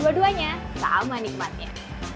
dua duanya sama nikmatnya